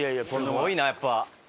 すごいなやっぱ。